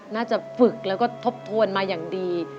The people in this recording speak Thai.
น่าจะฝึกแล้วก็ทบทวนมาอย่างดี